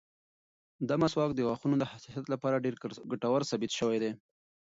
دا مسواک د غاښونو د حساسیت لپاره ډېر ګټور ثابت شوی دی.